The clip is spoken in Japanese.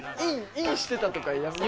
「インしてた」とかやめよ。